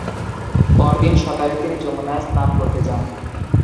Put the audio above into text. পরদিন সকালে তিনি যমুনায় স্নান করতে যান।